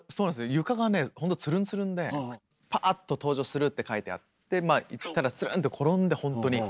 床がねほんとツルンツルンで「パーッと登場する」って書いてあってまあ行ったらツルンって転んでほんとに。